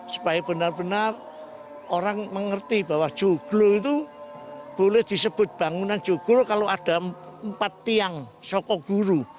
supaya benar benar orang mengerti bahwa joglo itu boleh disebut bangunan joglo kalau ada empat tiang sokok guru